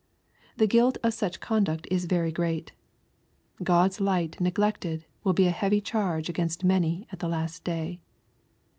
The guilt of such conduct is very great. God's light neglected will be a heavy charge against many at the last day.